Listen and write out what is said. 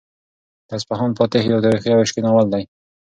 د اصفهان فاتح یو تاریخي او عشقي ناول دی.